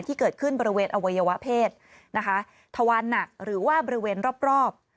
ที่เกิดขึ้นบริเวณอวัยวะเพศทะวันหรือว่าบริเวณรอบ